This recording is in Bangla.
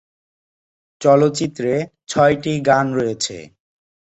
চলচ্চিত্রে ছয়টি গান রয়েছে।